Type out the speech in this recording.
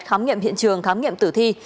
khám nghiệm hiện trường khám nghiệm tử thi